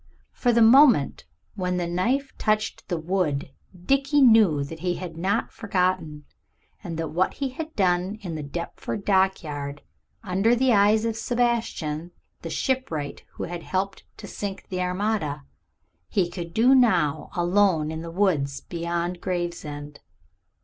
For from the moment when the knife touched the wood Dickie knew that he had not forgotten, and that what he had done in the Deptford dockyard under the eyes of Sebastian, the shipwright who had helped to sink the Armada, he could do now alone in the woods beyond Gravesend.